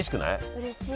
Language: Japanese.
うれしい。